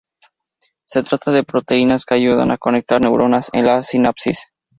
Se trata de proteínas que ayudan a conectar neuronas en la sinapsis.